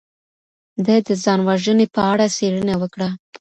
ده د ځان وژنې په اړه څیړنه وکړه.